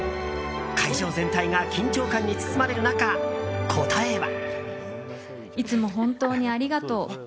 会場全体が緊張感に包まれる中答えは。